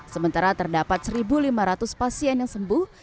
sementara terdapat satu lima ratus pasien yang sembuh